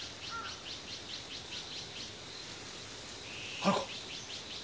春子。